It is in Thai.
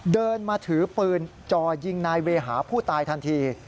เดินมาถือปืนจ่อยิงนายเวหาผู้ตายทันที